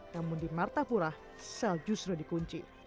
namun di martapura sel justru dikunci